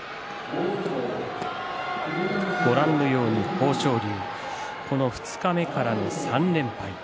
豊昇龍、この二日目からの３連敗。